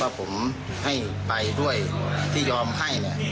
ผมให้ไปด้วยที่ยอมให้เนี่ย